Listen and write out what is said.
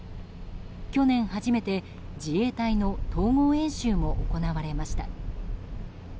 去年初めて、自衛隊の統合演習も行われました。